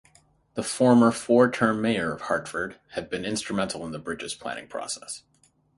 The former four-term mayor of Hartford had been instrumental in the bridge's planning process.